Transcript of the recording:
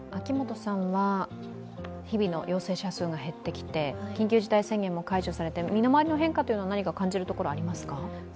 日々の陽性者数が減ってきて緊急事態宣言も解除されて、身の回りの変化は何か感じるところはありますか？